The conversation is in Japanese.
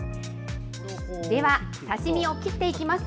では、刺身を切っていきます。